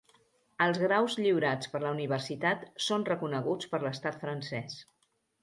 Els graus lliurats per la universitat són reconeguts per l'estat francès.